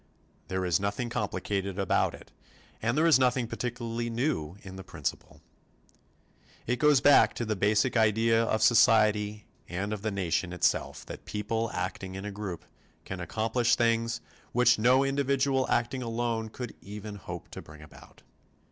There is nothing complicated about it and there is nothing particularly new in the principle. It goes back to the basic idea of society and of the nation itself that people acting in a group can accomplish things which no individual acting alone could even hope to bring about.